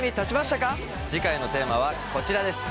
次回のテーマはこちらです。